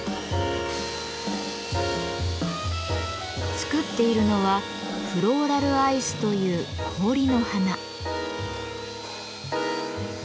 作っているのは「フローラルアイス」という氷の花。